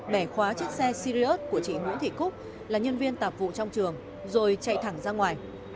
bẻ khóa chiếc xe sirius của chị nguyễn thị cúc là nhân viên tạp vụ trong trường rồi chạy thẳng ra ngoài